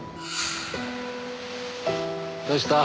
どうした？